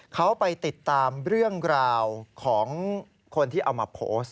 เขาไปติดตามเรื่องราวของคนที่เอามาโพสต์